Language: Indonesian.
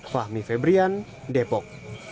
fahmi febrian depok